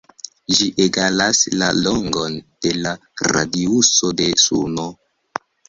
Ĝi egalas la longon de la radiuso de Suno.